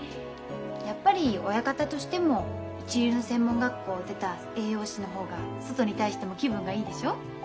やっぱり親方としても一流の専門学校を出た栄養士の方が外に対しても気分がいいでしょ？